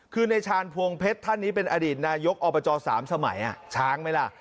คือในชาญพวงเพชรท่านนี้เป็นอดีตนายกอบจ๓สมัยช้างไหมล่ะ